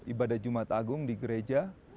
ibadah jumat agung di gereja